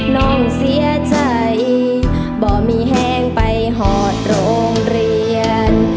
น้องเสียใจบ่มีแห้งไปหอดโรงเรียน